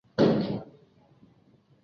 伊奈牛站石北本线上的站。